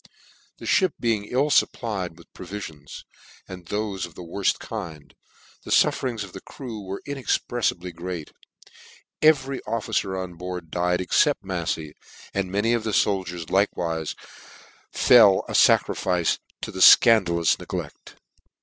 The fhip being ill fupplied with provifi ons, and thofe of the worft kind, the fufferings of the crew were inexprcffibly great : every officer on board died except MafTey, and many of the foldiers like wife fell a facrifice to the fcandalous negleft.